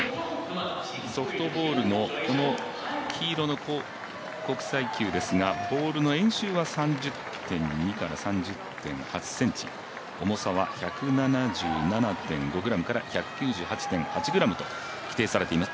ソフトボールのこの黄色の国際球ですがボールの円周は３０．２から３０．８ｃｍ重さは１７７．５ｇから１９８．８ｇと規定されています。